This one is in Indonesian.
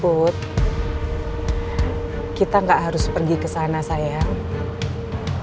bud kita gak harus pergi kesana sayang